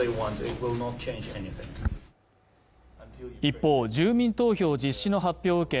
一方住民投票実施の発表を受け